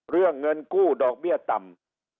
เรื่องเงินกู้ดอกเบี้ยต่ำ